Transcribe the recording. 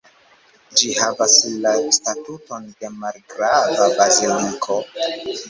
Ĝi havas la statuton de malgrava baziliko.